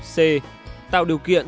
c tạo điều kiện